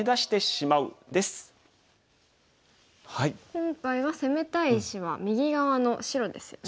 今回は攻めたい石は右側の白ですよね。